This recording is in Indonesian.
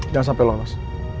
jangan sampai lolos